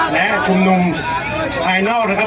และชุมนุมภายนอกนะครับ